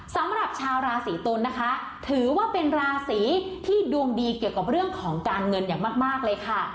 สำหรับชาวราศีตุลนะคะถือว่าเป็นราศีที่ดวงดีเกี่ยวกับเรื่องของการเงินอย่างมากเลยค่ะ